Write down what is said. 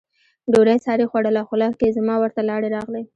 ډوډۍ سارې خوړله، خوله کې زما ورته لاړې راغلې.